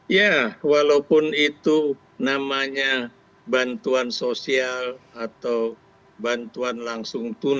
ya walaupun itu namanya bantuan sosial atau bantuan langsung tunai